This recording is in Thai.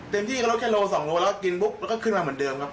ที่ก็ลดแค่โล๒โลแล้วกินปุ๊บแล้วก็ขึ้นมาเหมือนเดิมครับ